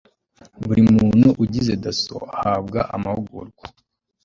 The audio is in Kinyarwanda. buri muntu ugize dasso ahabwa amahugurwa